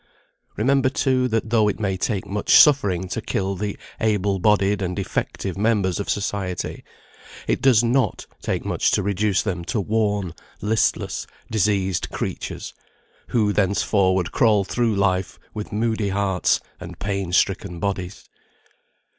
Remember, too, that though it may take much suffering to kill the able bodied and effective members of society, it does not take much to reduce them to worn, listless, diseased creatures, who thenceforward crawl through life with moody hearts and pain stricken bodies.